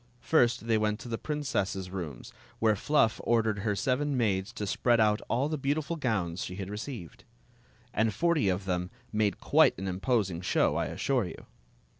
First they went to the princess's rooms, where Fluff ordered her seven maids to spread out all the beautiful gowns she had received. And forty of them made quite an imposing show, I assure you.